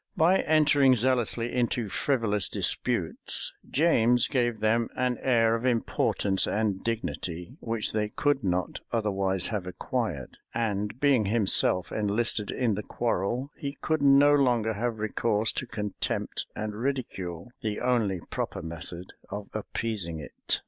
By entering zealously into frivolous disputes, James gave them an air of importance and dignity which they could not otherwise have acquired; and being himself enlisted in the quarrel, he could no longer have recourse to contempt and ridicule, the only proper method of appeasing it.